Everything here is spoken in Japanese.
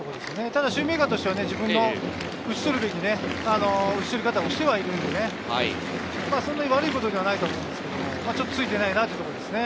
ただシューメーカーとしては自分の打ちとるべき打ちとり方をしてはいるので、そんなに悪いことではないと思うんですけれど、ちょっとついてないなというところですね。